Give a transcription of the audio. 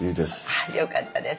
あっよかったです。